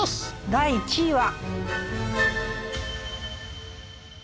第２位は。